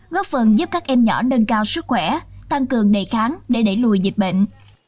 góp phần giúp các em nhỏ nâng cao sức khỏe tăng cường đề kháng để đẩy lùi dịch bệnh